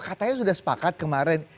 katanya sudah sepakat kemarin